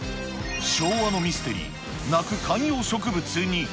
昭和のミステリー、鳴く観葉植物に。